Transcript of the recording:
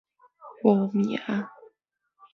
無名